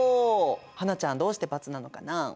英ちゃんどうして×なのかな？